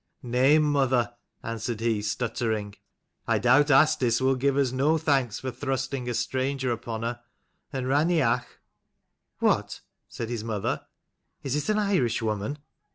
"Nay, mother," answered he, stuttering, " I doubt Asdis will give us no thanks for thrusting a stranger upon her: and Raineach " "What?" said his mother: "is it an Irish woman?"